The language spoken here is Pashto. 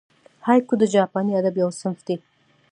هایکو د جاپاني ادب یو صنف دئ.